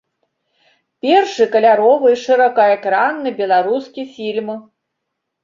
Першы каляровы шырокаэкранны беларускі фільм.